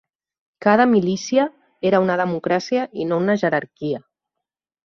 Cada milícia era una democràcia i no una jerarquia.